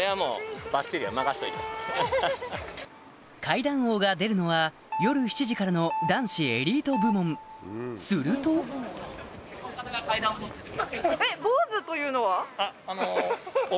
階段王が出るのは夜７時からの男子エリート部門するとそうなんですか？